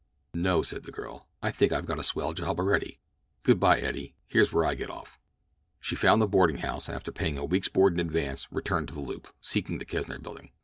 "No," said the girl, "I think I've got a swell job already. Good by, Eddie; here's where I get off." She found the boarding house, and after paying a week's board in advance returned to the Loop, seeking the Kesner Building.